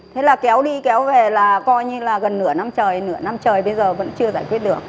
thế là kéo đi kéo về là coi như là gần nửa năm trời nửa năm trời bây giờ vẫn chưa giải quyết được